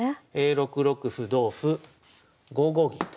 ６六歩同歩５五銀と。